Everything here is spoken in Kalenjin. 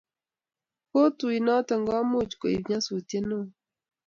Ko tuinoto komuch koib nyasutiet neo